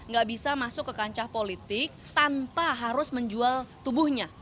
gak bisa masuk ke kancah politik tanpa harus menjual tubuhnya